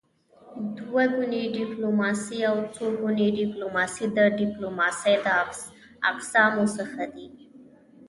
دوه ګوني ډيپلوماسي او څوګوني ډيپلوماسي د ډيپلوماسی د اقسامو څخه دي.